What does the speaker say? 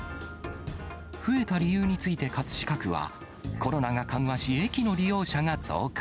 増えた理由について葛飾区は、コロナが緩和し、駅の利用者が増加。